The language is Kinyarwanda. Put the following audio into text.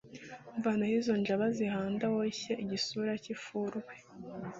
mvanaho izo njaba zihanda woshye igisura cyifurwe"